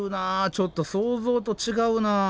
ちょっと想像と違うな。